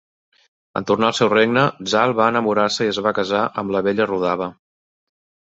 En tornar al seu regne, Zal va enamorar-se i es va casar amb la bella Rudaba.